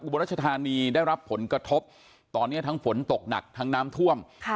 บนรัชธานีได้รับผลกระทบตอนนี้ทั้งฝนตกหนักทั้งน้ำท่วม